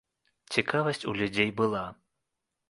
Цікавасць у людзей была.